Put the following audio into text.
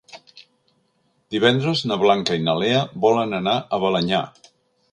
Divendres na Blanca i na Lea volen anar a Balenyà.